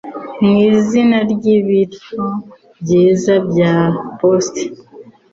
mwizina ryibiryo byiza bya Post